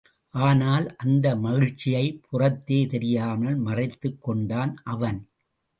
ஆனால், அந்த மகிழ்ச்சியைப் புறத்தே தெரியாமல் மறைத்துக் கொண்டான் அவன்.